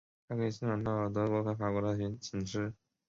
还可以欣赏到远处德国和法国的景致。